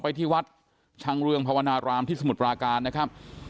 ที่วัดชังเรืองภาวนารามที่สมุทรปราการนะครับ